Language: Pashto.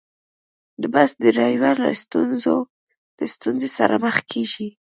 د بس ډریور له ستونزې سره مخ کېږي.